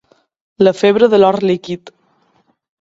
La febre de l'or líquid.